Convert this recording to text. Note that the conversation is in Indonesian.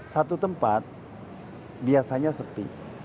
satu tempat biasanya sepi